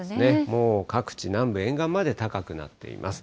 もう各地、南部沿岸まで高くなっています。